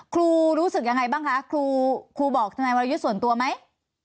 รู้สึกยังไงบ้างคะครูบอกทนายวรยุทธ์ส่วนตัวไหม